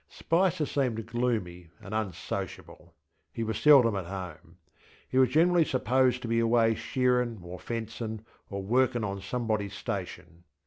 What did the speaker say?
Spicer seemed gloomy and unsociable. He was seldom at home. He was generally supposed to be away shearinŌĆÖ, or fencinŌĆÖ, or workinŌĆÖ on somebodyŌĆÖs station.